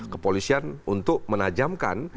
kepolisian untuk menajamkan